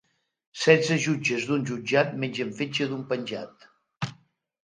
Setze jutges d’un jutjat mengen fetge d’un penjat.